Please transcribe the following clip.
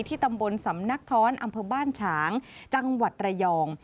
ตำบลสำนักท้อนอำเภอบ้านฉางจังหวัดระยอง